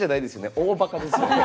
大バカですよね。